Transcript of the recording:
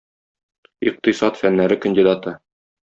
Икътисад фәннәре кандидаты.